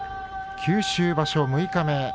九州場所六日目。